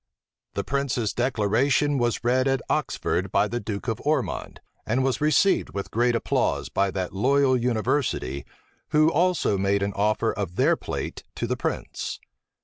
The prince's declaration was read at Oxford by the duke of Ormond, and was received with great applause by that loyal university, who also made an offer of their plate to the prince.